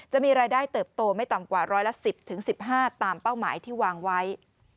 จะมีรายได้เติบโตไม่ต่ำกว่าร้อยละ๑๐๑๕ตามเป้าหมายที่วางไว้